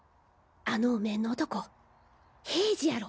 あのお面の男平次やろ？